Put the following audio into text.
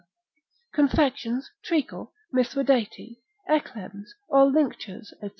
Confections, treacle, mithridate, eclegms, or linctures, &c.